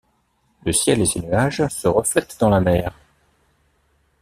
Le ciel et ses nuages se reflètent dans la mer.